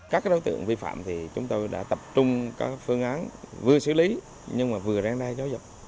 các đối tượng vi phạm thì chúng tôi đã tập trung các phương án vừa xử lý nhưng mà vừa ra ra gió dập